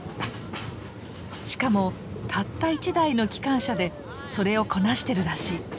しかもたった１台の機関車でそれをこなしてるらしい。